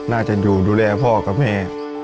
น่าจะอยู่ดูแลพ่อกับแม่